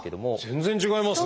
全然違いますね。